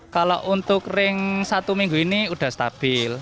kalau untuk ring satu minggu ini sudah stabil